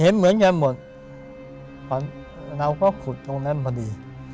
เห็นเหมือนกันหมดเราก็ขุดตรงนั้นพอดี